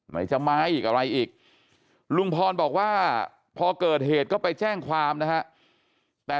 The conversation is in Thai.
ไหนจะไม้อีกอะไรอีกลุงพรบอกว่าพอเกิดเหตุก็ไปแจ้งความนะฮะแต่